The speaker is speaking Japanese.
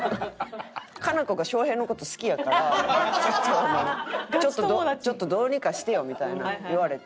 カナコがショウヘイの事好きやから「ちょっとどうにかしてよ」みたいなん言われて。